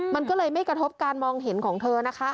มันก็เลยไม่กระทบการมองเห็นของเธอนะคะ